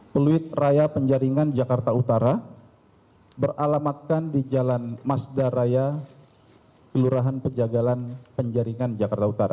peluit raya penjaringan jakarta utara beralamatkan di jalan masdaraya kelurahan penjagalan penjaringan jakarta utara